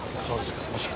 そうですか。